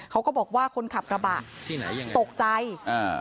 เขาก็บอกว่าคนขับกระบะที่ไหนยังไงตกใจอ่า